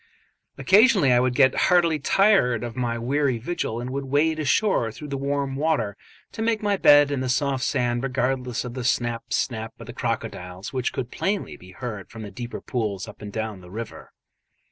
Occasionally I would get heartily tired of my weary vigil and would wade ashore through the warm water, to make my bed in the soft sand regardless of the snap, snap of the crocodiles which could plainly be heard from the deeper pools up and down the river.